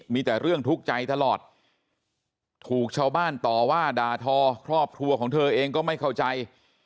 มีแต่เรื่องทุกข์ใจตลอดถูกชาวบ้านต่อว่าด่าทอครอบครัวของเธอเองก็ไม่เข้าใจ